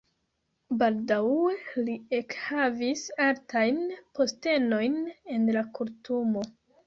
Baldaŭe li ekhavis altajn postenojn en la kortumo.